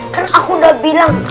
kan aku udah bilang